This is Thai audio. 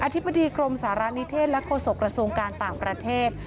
ธิบดีกรมสารณิเทศและโฆษกระทรวงการต่างประเทศ